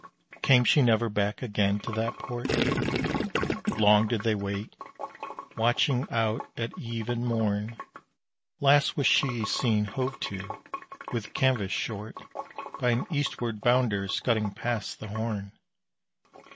Came she never back again to that port? Long did they wait, watching out at eve and morn. Last was she seen hove to with canvas short By an eastward bounder scudding past the Horn.